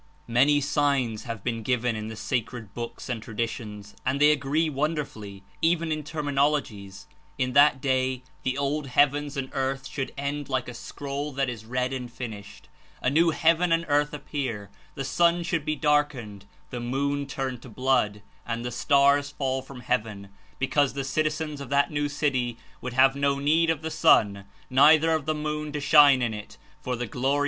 Many signs have been given in the sacred books and traditions and they agree wonderfully, even In terminologies. In that day the old heavens and earth should end like a scroll that Is read and finished, a new heaven and earth appear; the sun should be darkened, the moon turn to blood and the stars fall from heaven — ^because the citizens of that new City would have ^'no need of the sun, neither Signs of ^r ^j^^ ^oon to shine in it, for the Glory the Times